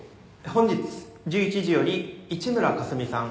本日１１時より一村香澄さん。